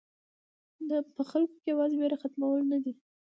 په خلکو کې یوازې وېره ختمول نه دي.